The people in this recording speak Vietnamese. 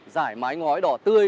giải mái ngói đỏ tươi